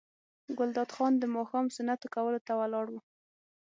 ګلداد خان د ماښام سنتو کولو ته ولاړ و.